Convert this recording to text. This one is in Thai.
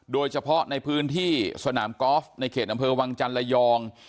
โดยเฉพาะในพื้นที่สนามกอล์ฟในเขตอำเภอวังจันทร์ระยอง